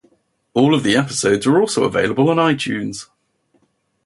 All of the episodes are also available on iTunes.